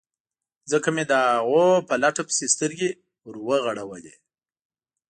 ځکه مې د هغوی په لټه پسې سترګې ور وغړولې.